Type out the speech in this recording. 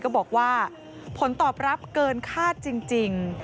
ก็บอกว่าผลตอบรับเกินคาดจริง